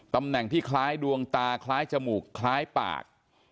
ตำแหน่งที่คล้ายดวงตาคล้ายจมูกคล้ายปาก